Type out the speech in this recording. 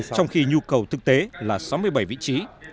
trong khi nhu cầu thực tế là sáu mươi bảy vị trí